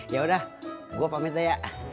ya udah gue pamit deh